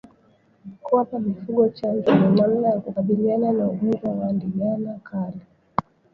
Kuwapa mifugo chanjo ni namna ya kukabiliana na ugonjwa wa ndigana kali